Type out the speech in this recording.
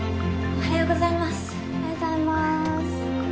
おはようございます。